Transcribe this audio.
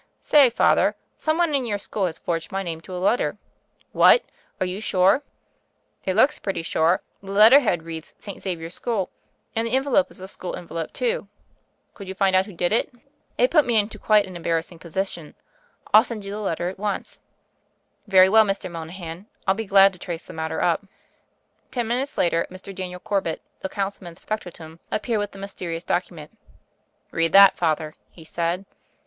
"Say, Father, some one in your school has forged my name to a letter." "Whatl Are you sure?" "It looks pretty sure. The letter head reads *St. Xavier School,' and the envelope is a school envelope, too. Could you find out who did it? I20 THE FAIRY OF THE SNOWS It put me into quite an embarrassing position. rU send you the letter at once." "Very well, Mr. Monahan. I'll be glad to trace the matter up." Ten minutes later Mr. Daniel Corbett, the councilman's factotum, appeared with the mys terious document. "Read that, Father," he said.